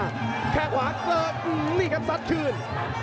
วงแค่งขวาเกิดสัตว์ขื้น